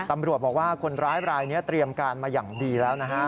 ตำรวจบอกว่าคนร้ายรายนี้เตรียมการมาอย่างดีแล้วนะฮะ